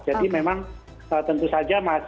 jadi memang tentu saja